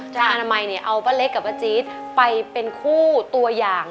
ถ้าอนามัยเอาปะเล็กกับปะจี๊ดไปเป็นคู่ตัวอย่าง